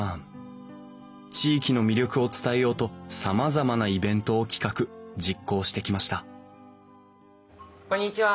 地域の魅力を伝えようとさまざまなイベントを企画実行してきましたこんにちは。